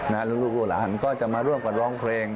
ลูกลูกหลานก็จะมาร่วมกันร้องเพลง